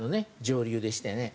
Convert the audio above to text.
上流でしてね。